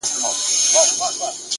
• شا او مخي ته یې ووهل زورونه,